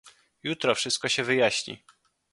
"Jutro wszystko się wyjaśni!"